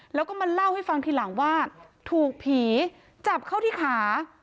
แล้วก็มาเล่าให้ฟังทีหลังว่าถูกผีจับเข้าที่ขา